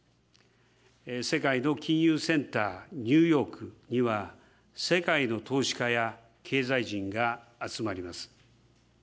世界の金融センター、ニューヨークには、世界の投資家や経済人が集まります。